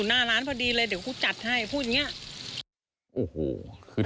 หน้าร้านพอดีเลยเดี๋ยวกูจัดให้พูดอย่างเงี้ยโอ้โหคือ